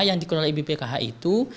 yang dikelola bpkh itu